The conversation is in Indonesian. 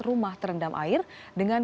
rumah terendam air dengan